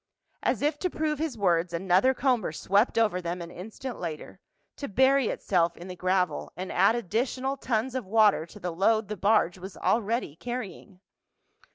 As if to prove his words another comber swept over them an instant later, to bury itself in the gravel and add additional tons of water to the load the barge was already carrying.